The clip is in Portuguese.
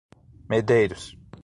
Medeiros